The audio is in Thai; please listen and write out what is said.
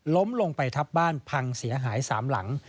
ล้มลงไปทับบ้านพังเสียหาย๓หลัง